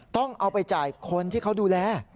ต้องเอาไปจ่ายคนที่เขาดูแล